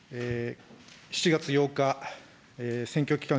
７月８日、選挙期間